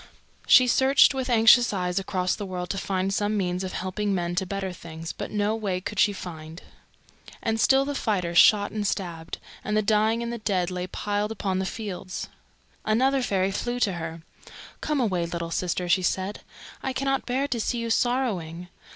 She searched with anxious eyes across the world to find some means of helping men to better things, but no way could she find. And still the fighters shot and stabbed, and the dying and the dead lay piled upon the fields. Another fairy flew to her. "Come away, little sister!" she said. "I cannot bear to see you sorrowing.